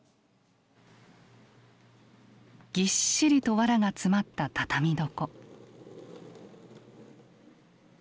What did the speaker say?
ぎっしりと藁が詰まった畳床。